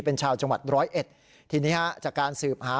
เป็นชาวจังหวัด๑๐๑ทีนี้ฮะจากการสืบหา